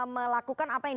melakukan apa yang